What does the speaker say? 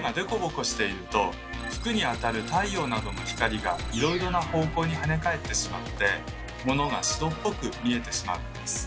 服に当たる太陽などの光がいろいろな方向にはね返ってしまって物が白っぽく見えてしまうんです。